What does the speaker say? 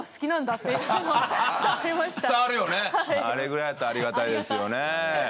あれくらいだとありがたいですよね。